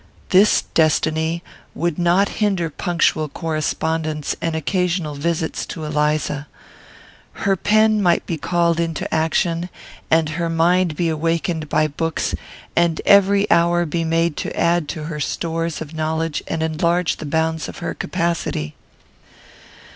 This destiny would not hinder punctual correspondence and occasional visits to Eliza. Her pen might be called into action, and her mind be awakened by books, and every hour be made to add to her stores of knowledge and enlarge the bounds of her capacity.